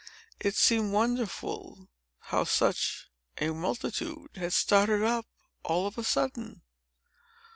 It seemed wonderful how such a multitude had started up, all of a sudden.